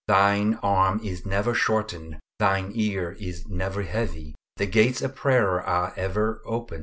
Thine arm is never shortened, Thine ear is never heavy. The gates of prayer are ever open.